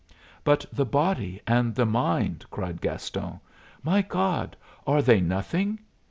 "But the body and the mind!" cried Gaston. "My God, are they nothing?